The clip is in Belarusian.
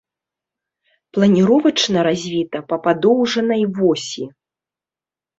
Планіровачна развіта па падоўжнай восі.